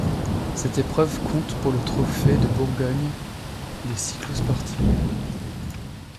Cette épreuve compte pour le trophée de Bourgogne des cyclosportives.